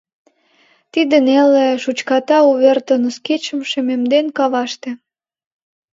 Тиде неле, Шучката увер Тыныс кечым Шемемден каваште.